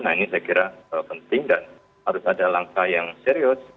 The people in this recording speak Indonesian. nah ini saya kira penting dan harus ada langkah yang serius